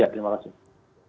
ya terima kasih